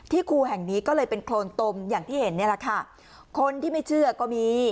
ครูแห่งนี้ก็เลยเป็นโครนตมอย่างที่เห็นเนี่ยแหละค่ะคนที่ไม่เชื่อก็มี